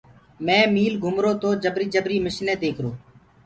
مي ميٚل گهمرو تو مي جبري جبري مشني ديکرو۔